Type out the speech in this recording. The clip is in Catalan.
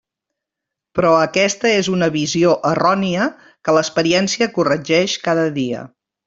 Però aquesta és una visió errònia que l'experiència corregeix cada dia.